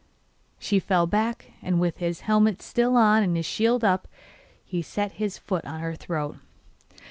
She fell back, and with his helmet still on and his shield up, he set his foot on her throat.